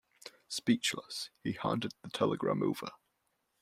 Speechless, he handed the telegram over.